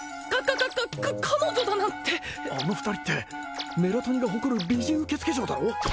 かかか彼女だなんてあの二人ってメラトニが誇る美人受付嬢だろ？